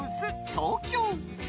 東京。